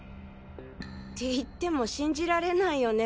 って言っても信じられないよね？